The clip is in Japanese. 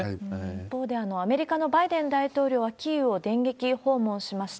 一方で、アメリカのバイデン大統領はキーウを電撃訪問しました。